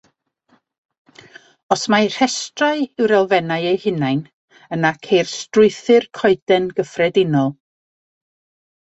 Os mae rhestrau yw'r elfennau eu hunain, yna ceir strwythur coeden gyffredinol.